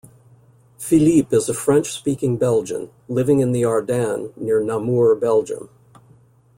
Philippe is a French-speaking Belgian, living in the Ardennes near Namur, Belgium.